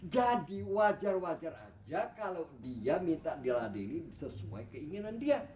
jadi wajar wajar aja kalau dia minta diladeli sesuai keinginan dia